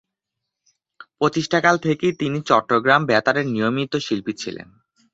প্রতিষ্ঠাকাল থেকেই তিনি চট্টগ্রাম বেতারের নিয়মিত শিল্পী ছিলেন।